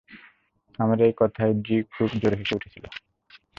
আমার এ কথায় জি খুব জোরে হেসে উঠেছিল।